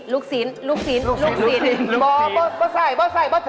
ไลการปรับหาลูกศีน